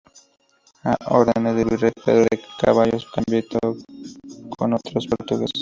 A órdenes del virrey Pedro de Ceballos combatió contra los portugueses.